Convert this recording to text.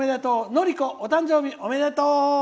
のりこ、お誕生日おめでとう！